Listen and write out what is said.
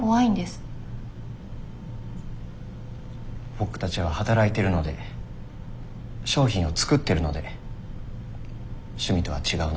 僕たちは働いてるので商品を作ってるので趣味とは違うので。